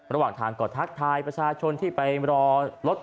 ระหว่างทางก็ทักทายประชาชนที่ไปรอรถ